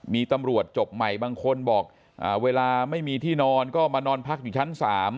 มีตำรวจจบใหม่บางคนบอกเวลาไม่มีที่นอนก็มานอนพักอยู่ชั้น๓